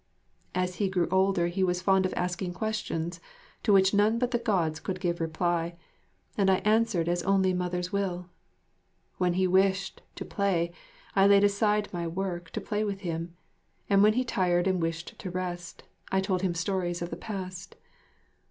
As he grew older he was fond of asking questions to which none but the Gods could give reply, and I answered as only mothers will. When he wished to play I laid aside my work to play with him, and when he tired and wished to rest, I told him stories of the past.